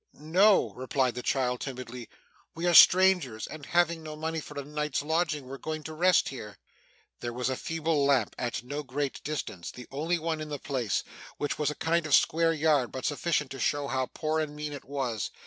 'No,' replied the child timidly; 'we are strangers, and having no money for a night's lodging, were going to rest here.' There was a feeble lamp at no great distance; the only one in the place, which was a kind of square yard, but sufficient to show how poor and mean it was.